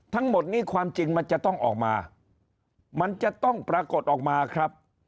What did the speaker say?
ทั้งหมดนี้ความจริงมันจะต้องออกมามันจะต้องปรากฏออกมาครับ